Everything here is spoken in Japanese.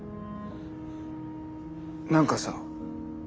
何かさ。